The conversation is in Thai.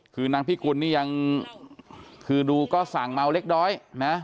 คือนางพิกุลนี่ยังคือดูก็สั่งเมาเล็กน้อยนะ